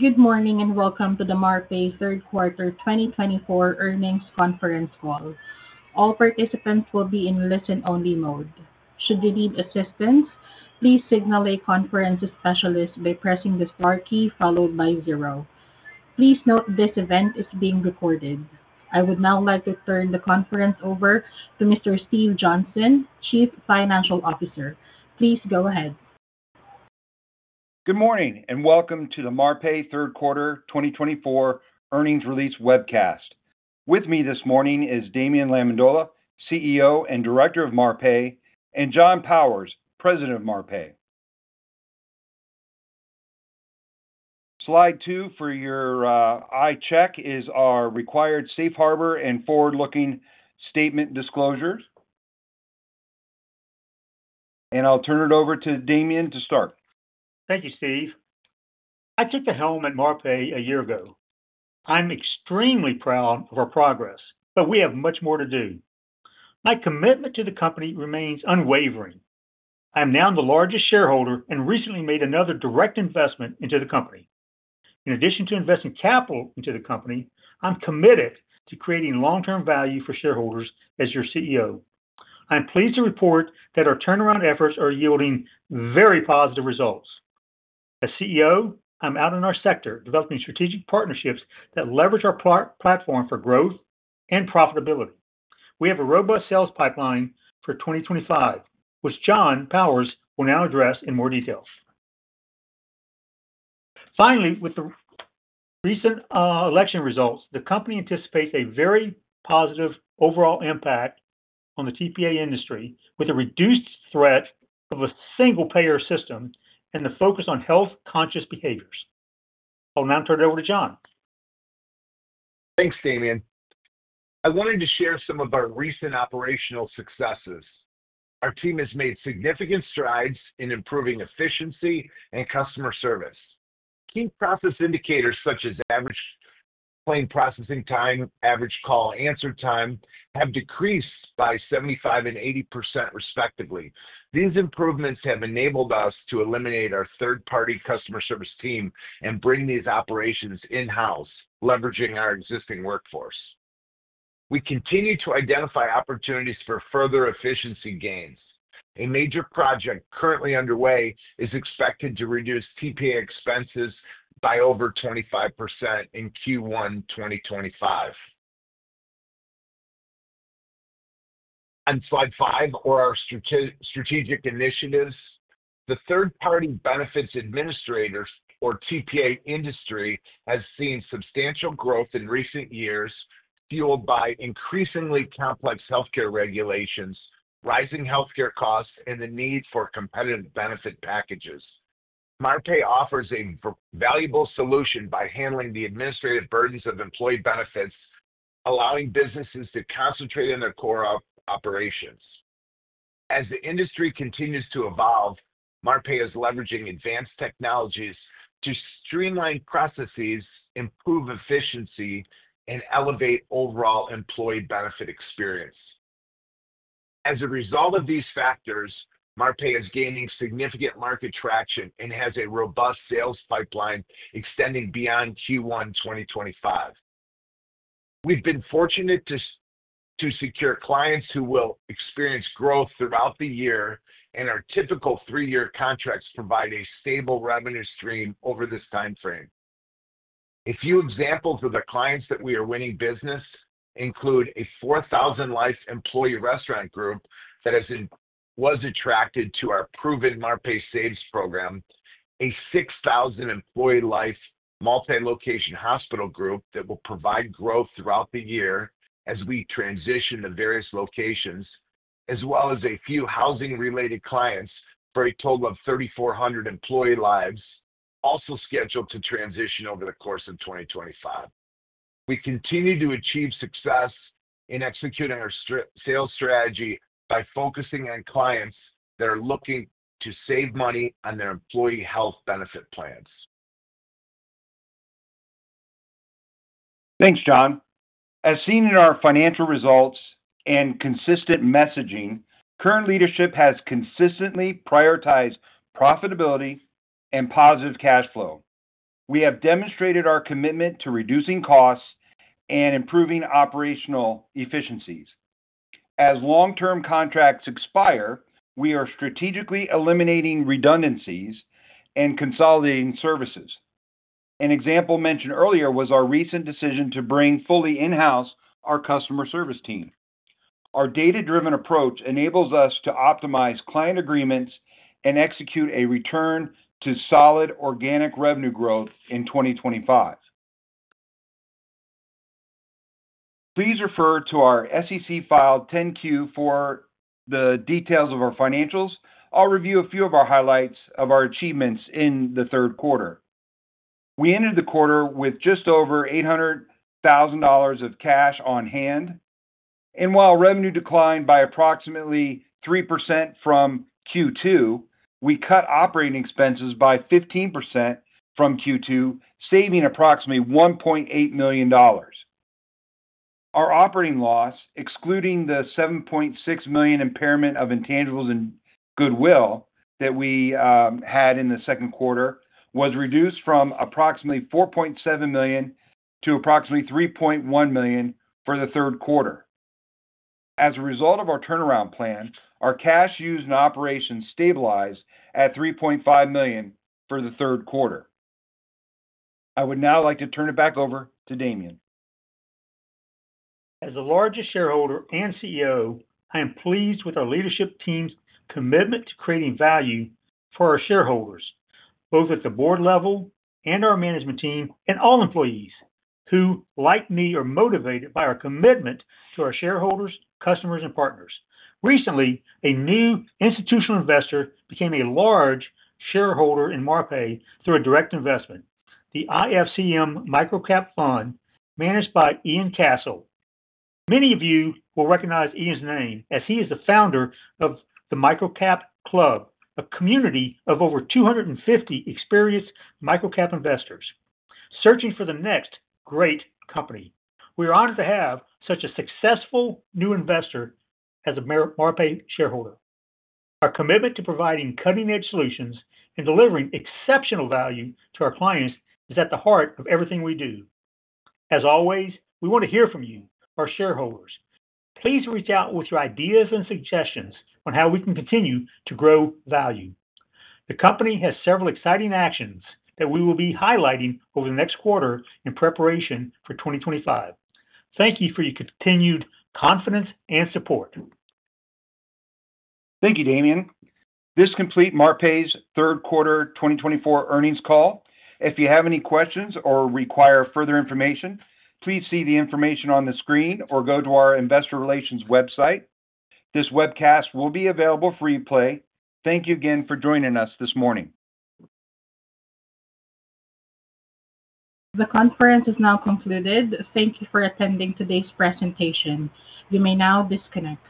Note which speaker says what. Speaker 1: Good morning and welcome to the Marpai Q3 2024 Earnings Conference Call. All participants will be in listen-only mode. Should you need assistance, please signal a conference specialist by pressing the star key followed by zero. Please note this event is being recorded. I would now like to turn the conference over to Mr. Steve Johnson, Chief Financial Officer. Please go ahead.
Speaker 2: Good morning and welcome to the Marpai Q3 2024 Earnings Release Webcast. With me this morning is Damien Lamendola, CEO and Director of Marpai, and John Powers, President of Marpai. Slide two for your reference is our required safe harbor and forward-looking statement disclosures. I'll turn it over to Damien to start.
Speaker 3: Thank you, Steve. I took the helm at Marpai a year ago. I'm extremely proud of our progress, but we have much more to do. My commitment to the company remains unwavering. I'm now the largest shareholder and recently made another direct investment into the company. In addition to investing capital into the company, I'm committed to creating long-term value for shareholders as your CEO. I'm pleased to report that our turnaround efforts are yielding very positive results. As CEO, I'm out in our sector developing strategic partnerships that leverage our platform for growth and profitability. We have a robust sales pipeline for 2025, which John Powers will now address in more detail. Finally, with the recent election results, the company anticipates a very positive overall impact on the TPA industry with a reduced threat of a single-payer system and the focus on health-conscious behaviors. I'll now turn it over to John.
Speaker 4: Thanks, Damien. I wanted to share some of our recent operational successes. Our team has made significant strides in improving efficiency and customer service. Key process indicators such as average claim processing time, average call answer time have decreased by 75% and 80% respectively. These improvements have enabled us to eliminate our third-party customer service team and bring these operations in-house, leveraging our existing workforce. We continue to identify opportunities for further efficiency gains. A major project currently underway is expected to reduce TPA expenses by over 25% in Q1 2025. On slide five are our strategic initiatives. The third-party benefits administrators, or TPA industry, has seen substantial growth in recent years, fueled by increasingly complex healthcare regulations, rising healthcare costs, and the need for competitive benefit packages. Marpai offers a valuable solution by handling the administrative burdens of employee benefits, allowing businesses to concentrate on their core operations. As the industry continues to evolve, Marpai is leveraging advanced technologies to streamline processes, improve efficiency, and elevate overall employee benefit experience. As a result of these factors, Marpai is gaining significant market traction and has a robust sales pipeline extending beyond Q1 2025. We've been fortunate to secure clients who will experience growth throughout the year, and our typical three-year contracts provide a stable revenue stream over this timeframe. A few examples of the clients that we are winning business include a 4,000-life employee restaurant group that was attracted to our proven Marpai Saves program, a 6,000-employee-life multi-location hospital group that will provide growth throughout the year as we transition to various locations, as well as a few housing-related clients for a total of 3,400 employee lives also scheduled to transition over the course of 2025. We continue to achieve success in executing our sales strategy by focusing on clients that are looking to save money on their employee health benefit plans.
Speaker 2: Thanks, John. As seen in our financial results and consistent messaging, current leadership has consistently prioritized profitability and positive cash flow. We have demonstrated our commitment to reducing costs and improving operational efficiencies. As long-term contracts expire, we are strategically eliminating redundancies and consolidating services. An example mentioned earlier was our recent decision to bring fully in-house our customer service team. Our data-driven approach enables us to optimize client agreements and execute a return to solid organic revenue growth in 2025. Please refer to our SEC-filed 10-Q for the details of our financials. I'll review a few of our highlights of our achievements in the Q3. We ended the quarter with just over $800,000 of cash on hand. And while revenue declined by approximately 3% from Q2, we cut operating expenses by 15% from Q2, saving approximately $1.8 million. Our operating loss, excluding the $7.6 million impairment of intangibles and goodwill that we had in the Q2, was reduced from approximately $4.7 million to approximately $3.1 million for the Q3. As a result of our turnaround plan, our cash used in operations stabilized at $3.5 million for the Q3. I would now like to turn it back over to Damien.
Speaker 3: As the largest shareholder and CEO, I am pleased with our leadership team's commitment to creating value for our shareholders, both at the board level and our management team, and all employees who, like me, are motivated by our commitment to our shareholders, customers, and partners. Recently, a new institutional investor became a large shareholder in Marpai through a direct investment, the IFCM MicroCap Fund, managed by Ian Cassel. Many of you will recognize Ian's name, as he is the founder of the MicroCapClub, a community of over 250 experienced microcap investors searching for the next great company. We are honored to have such a successful new investor as a Marpai shareholder. Our commitment to providing cutting-edge solutions and delivering exceptional value to our clients is at the heart of everything we do. As always, we want to hear from you, our shareholders. Please reach out with your ideas and suggestions on how we can continue to grow value. The company has several exciting actions that we will be highlighting over the next quarter in preparation for 2025. Thank you for your continued confidence and support.
Speaker 2: Thank you, Damien. This completes Marpai's Q3 2024 Earnings Call. If you have any questions or require further information, please see the information on the screen or go to our investor relations website. This webcast will be available for replay. Thank you again for joining us this morning.
Speaker 1: The conference is now concluded. Thank you for attending today's presentation. You may now disconnect.